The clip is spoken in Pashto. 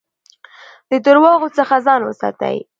د درواغو څخه ځان وساتئ.